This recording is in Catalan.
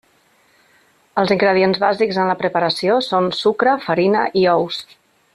Els ingredients bàsics en la preparació són sucre, farina i ous.